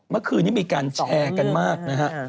เมื่อคืนนี้มีการแชร์กันมากนะฮะ